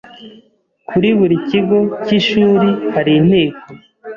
Kuri buri kigo cy’ishuri hari inteko